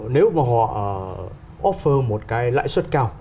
nếu mà họ offer một cái lãi suất cao